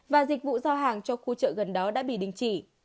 và dịch vụ giao hàng cho khu chợ gần đó đã bị đình chỉ